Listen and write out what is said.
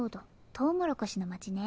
トウモロコシのまちね。